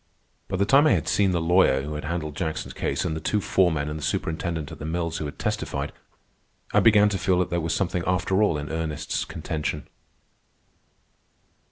By the time I had seen the lawyer who had handled Jackson's case, and the two foremen and the superintendent at the mills who had testified, I began to feel that there was something after all in Ernest's contention.